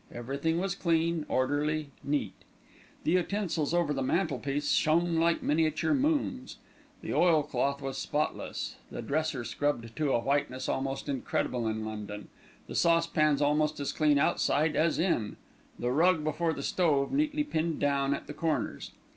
Everything was clean, orderly, neat. The utensils over the mantelpiece shone like miniature moons, the oil cloth was spotless, the dresser scrubbed to a whiteness almost incredible in London, the saucepans almost as clean outside as in, the rug before the stove neatly pinned down at the corners.